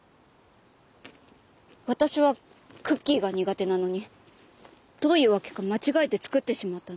私はクッキーが苦手なのにどういう訳か間違えて作ってしまったの。